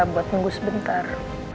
buat tunggu sebentar